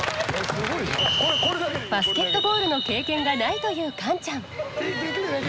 バスケットボールの経験がないというカンちゃん。